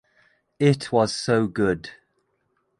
It was so good.